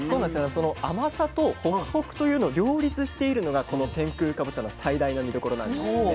その甘さとホクホクというのを両立しているのがこの天空かぼちゃの最大の見どころなんですね。